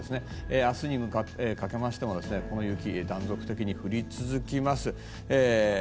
明日にかけてこの雪、断続的に降り続けます。